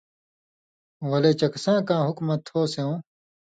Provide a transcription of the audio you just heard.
ولے چکساں کا حُکمہ تھو سېوں